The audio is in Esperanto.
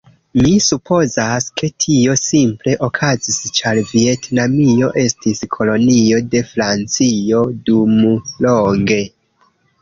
Mi supozas, ke tio simple okazis ĉar Vjetnamio estis kolonio de Francio dumlonge